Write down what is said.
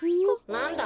なんだ？